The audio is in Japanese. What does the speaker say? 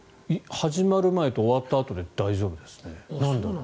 始まる前と終わったあとで大丈夫ですね。